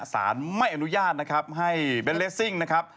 สารไม่อนุญาตนะครับให้เบนเลสซิ่งนะครับ